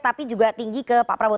tapi juga tinggi ke pak prabowo